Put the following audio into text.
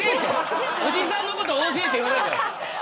おじさんのことＯＪって言わないから。